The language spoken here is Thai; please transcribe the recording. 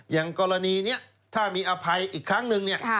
อย่างกรณีนี้ถ้ามีอภัยอีกครั้งนึงเนี่ย